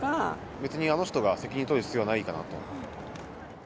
別にあの人が責任取る必要はないかなと。